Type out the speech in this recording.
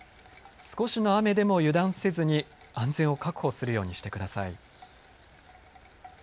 少しの雨でも油断せずに安全を確保するようにしてください。